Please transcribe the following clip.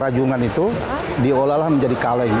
rajungan itu diolah menjadi kaleng